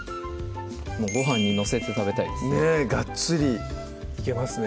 ごはんに載せて食べたいですねねぇガッツリいけますね